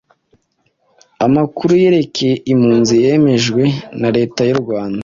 amakuru yerekeye impunzi yemejwe na leta y’ u rwanda